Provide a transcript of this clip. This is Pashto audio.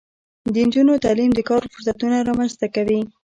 د نجونو تعلیم د کار فرصتونه رامنځته کوي.